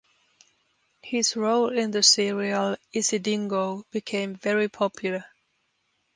His role in the serial "Isidingo" became very popular.